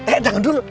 eh jangan dulu